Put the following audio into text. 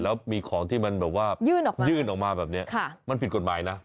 แล้วมีของที่มันแบบว่ายื่นออกมาแบบนี้มันผิดกฎหมายนะ